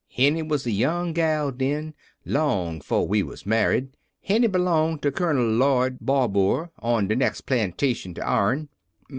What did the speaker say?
"Henny was a young gal den, long 'fo' we was married. Henny b'longed to Colonel Lloyd Barbour, on de next plantation to ourn.